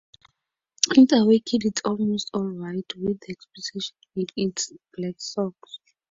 Its away kit is almost all-white, with the exception being its black socks.